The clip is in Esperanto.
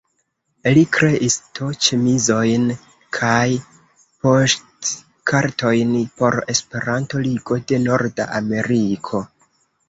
Li kreis T-ĉemizojn kaj poŝtkartojn por Esperanto-Ligo de Norda Ameriko.